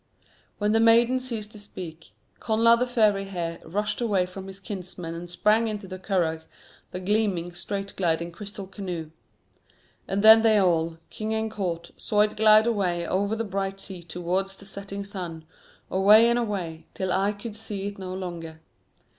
When the maiden ceased to speak, Connla of the Fiery Hair rushed away from his kinsmen and sprang into the curragh, the gleaming, straight gliding crystal canoe. And then they all, king and court, saw it glide away over the bright sea towards the setting sun, away and away, till eye could see it no longer.